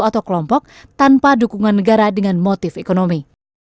atau kelompok tanpa dukungan negara dengan motif ekonomi